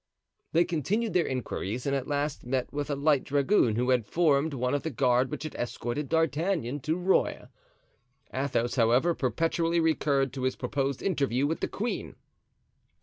They continued their inquiries and at last met with a light dragoon who had formed one of the guard which had escorted D'Artagnan to Rueil. Athos, however, perpetually recurred to his proposed interview with the queen.